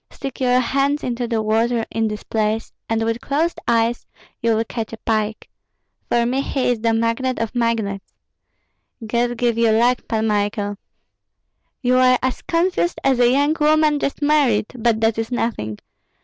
Stick your hands into the water in this place, and with closed eyes you will catch a pike. For me he is the magnate of magnates! God give you luck, Pan Michael! You are as confused as a young woman just married; but that is nothing!